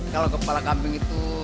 kepala kambing itu